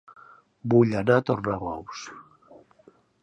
Vull anar a Tornabous